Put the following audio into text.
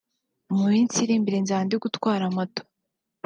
mu minsi iri imbere nzaba ndi gutwara moto